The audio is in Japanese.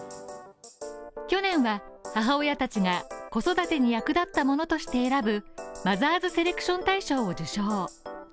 去年は母親たちが子育てに役立ったものとして選ぶマザーズセレクション大賞を受賞。